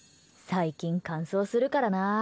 最近、乾燥するからな。